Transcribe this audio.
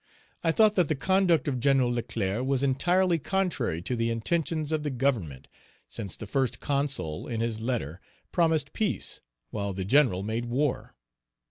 I thought Page 304 that the conduct of Gen. Leclerc was entirely contrary to the intentions of the Government, since the First Consul, in his letter, promised peace, while the general made war.